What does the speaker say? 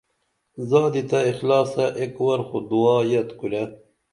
زادی تہ اخلاصہ ایک ور خو دعا یت کُرے